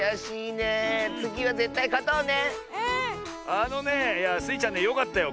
あのねいやスイちゃんねよかったよ。